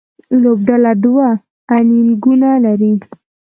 لوبډله دوه انینګونه لري.